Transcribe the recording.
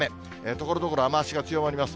ところどころ雨足が強まります。